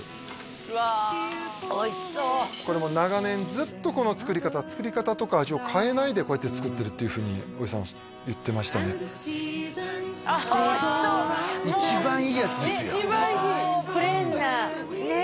うわおいしそうこれも長年ずっとこの作り方作り方とか味を変えないでこうやって作ってるっていうふうに言ってましたねああおいしそう一番いいやつですよ一番いいプレーンなね